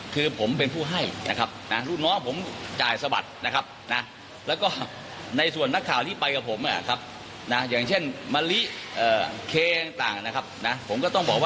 ซึ่งผมเป็นผู้ให้นะครับลูกน้องผมจ่ายสะบัดแล้วก็ในนักข่าวที่ไปกับผม